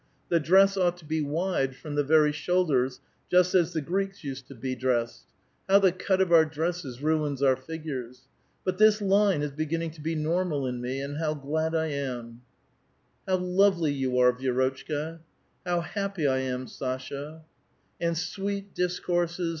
The dress ought to be wide from the very shoulders, just as the Greeks used to be dressed 1 IIow the cut of our dresses ruins our figures ! But this line is beginning to be normal in me, and how glad I am I *' How lovely you are, Vi^rotchka I "" How happy I am, Sasha I " And sweet discourses.